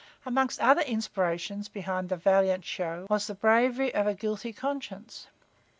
Among other inspirations behind the valiant show was the bravery of a guilty conscience.